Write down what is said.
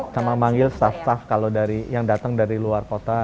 sama manggil staff staf kalau dari yang datang dari luar kota